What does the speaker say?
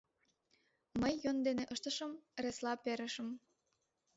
Мый йӧн дене ыштышым, ыресла перышым...